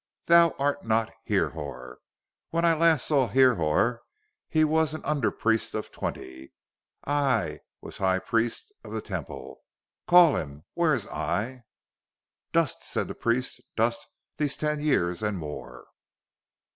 Thou art not Hrihor! When last I saw Hrihor, he was an under priest of twenty. Ay was High Priest of the Temple! Call him! Where is Ay?" "Dust," said the priest. "Dust these ten years and more."